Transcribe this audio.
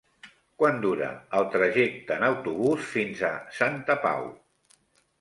Quant dura el trajecte en autobús fins a Santa Pau?